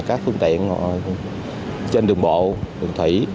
các phương tiện trên đường bộ đường thủy